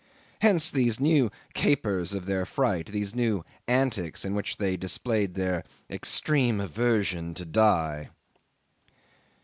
Hence these new capers of their fright, these new antics in which they displayed their extreme aversion to die.